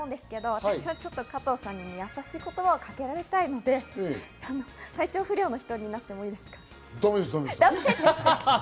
私は加藤さんにやさしい言葉をかけられたいので、体調不良の人になってもいいですか？